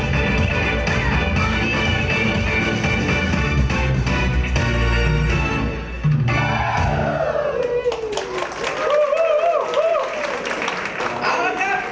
รักไม่รักก็รอเสียงอยู่อีกเสียง